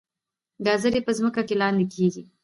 ګازرې په ځمکه کې لاندې کیږي